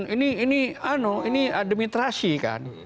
ini ini ano ini administrasi kan